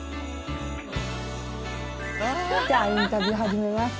インタビュー始めます